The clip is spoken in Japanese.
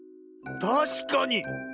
たしかに。